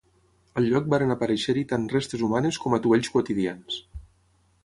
Al lloc varen aparèixer-hi tant restes humanes com atuells quotidians.